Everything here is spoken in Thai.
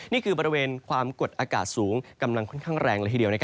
นี่คือบริเวณความกดอากาศสูงกำลังค่อนข้างแรงละทีเดียว